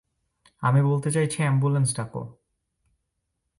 আমি বলতে চাইছি এম্বুলেন্স ডাক।